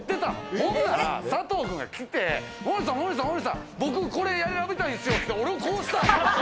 ほんなら佐藤君が来て、森田さん、僕これ選びたいんですよって俺をこうしたの。